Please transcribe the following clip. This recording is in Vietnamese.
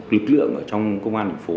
lực lượng trong công an đỉnh phố